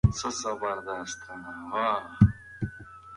تاسو کولای شئ چې تېنس په ازاده فضا یا په تالار کې وکړئ.